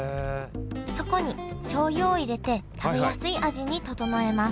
そこにしょうゆを入れて食べやすい味に調えます